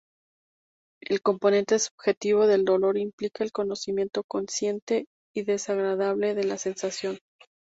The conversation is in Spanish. El componente subjetivo del dolor implica el conocimiento consciente y desagradable de la sensación.